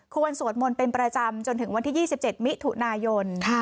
สวดมนต์เป็นประจำจนถึงวันที่๒๗มิถุนายน